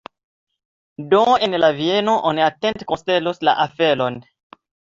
Do en Vieno oni atente konsideros la aferon.